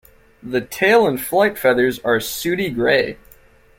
The tail and flight feathers are sooty grey.